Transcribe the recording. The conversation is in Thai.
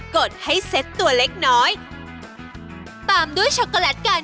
กลีก่อนนายจะรู้ว่า